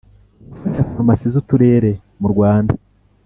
Gufasha Farumasi z Uturere murwanda